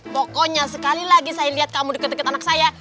pokoknya sekali lagi saya lihat kamu deket deket anak saya